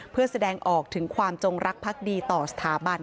เพื่อแสดงออกถึงความจงรักพักดีต่อสถาบัน